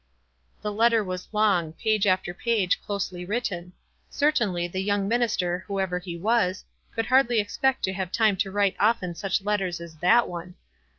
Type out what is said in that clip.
The letter was long, page after page, closely written. Certainly the young minister, whoever he was, could hardly expect to have time to write often such letters as that one.